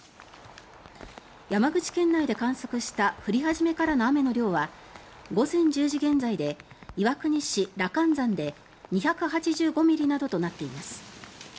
山口県内で観測した降り始めからの雨の量は午前１０時現在で岩国市・羅漢山で２８５ミリなどとなっています。